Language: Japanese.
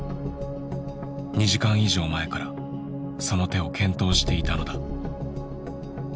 ２時間以上前からその手を検討していたのだ。